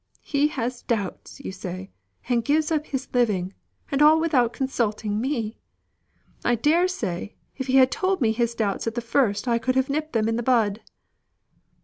"He has doubts you say, and gives up his living, and all without consulting me. I dare say, if he had told me his doubts at the first I could have nipped them in the bud."